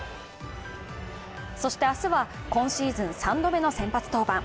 そして明日は、今シーズン３度目の先発登板。